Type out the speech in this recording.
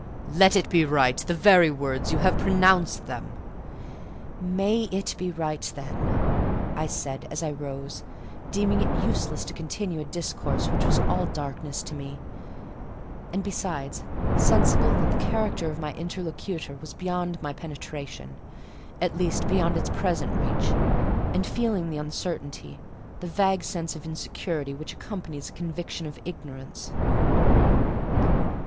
'" "'Let it be right'—the very words: you have pronounced them." "May it be right then," I said, as I rose, deeming it useless to continue a discourse which was all darkness to me; and, besides, sensible that the character of my interlocutor was beyond my penetration; at least, beyond its present reach; and feeling the uncertainty, the vague sense of insecurity, which accompanies a conviction of ignorance.